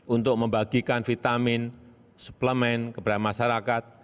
untuk membagikan vitamin suplemen kepada masyarakat